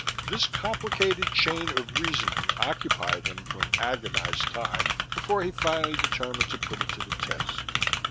This complicated chain of reasoning occupied him for an agonized time before he finally determined to put it to the test.